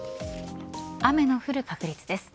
雨の降る確率です。